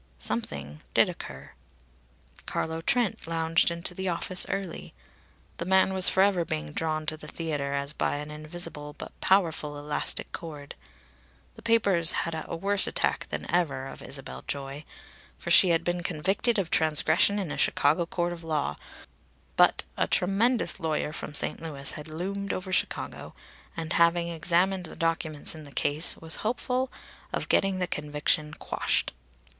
Something did occur. Carlo Trent lounged into the office early. The man was forever being drawn to the theatre as by an invisible but powerful elastic cord. The papers had a worse attack than ever of Isabel Joy, for she had been convicted of transgression in a Chicago court of law, but a tremendous lawyer from St. Louis had loomed over Chicago and, having examined the documents in the case, was hopeful of getting the conviction quashed.